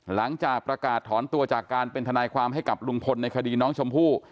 หลังจากประกาศถอนตัวจากการเป็นทนายความให้กับลุงพลในคดีน้องชมพู่